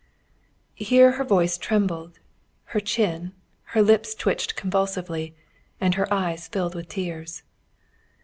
Here her voice trembled, her chin, her lips twitched convulsively, and her eyes filled with tears.